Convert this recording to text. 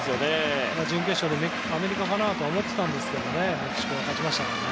準決勝はアメリカかなと思っていたんですがメキシコが勝ちましたからね。